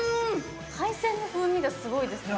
海鮮の風味がすごいですよね。